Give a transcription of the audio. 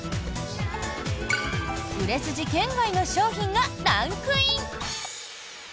売れ筋圏外の商品がランクイン。